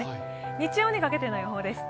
日曜にかけての予報です。